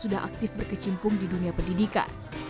sudah aktif berkecimpung di dunia pendidikan